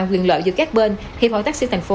quyền lợi giữa các bên hiệp hội taxi tp